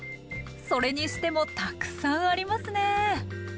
それにしてもたくさんありますね